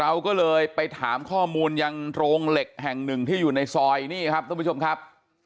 เราก็เลยไปถามข้อมูลยังโรงเหล็กแห่งหนึ่งที่อยู่ในซอยนี่ครับท่านผู้ชมครับ